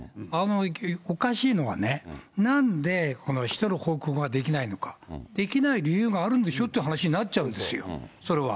おかしいのはね、なんで、使途の報告ができないのか、できない理由があるんでしょっていう話になっちゃうんですよ、それは。